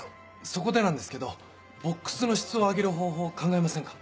そこでなんですけどボックスの質を上げる方法を考えませんか？